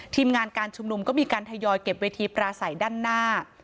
ทีมงานการชุมนุมก็มีการทยอยเก็บเวทีปราศัยด้านหน้า